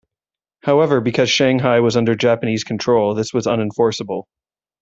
However, because Shanghai was under Japanese control, this was unenforceable.